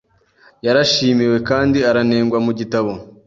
yarashimiwe kandi aranengwa mugitabo